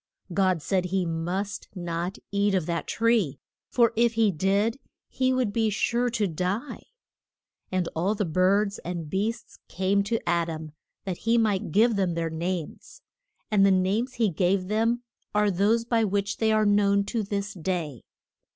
God said he must not eat of that tree, for if he did he would be sure to die. And all the birds and beasts came to A dam, that he might give them their names. And the names he gave them are those by which they are known to this day.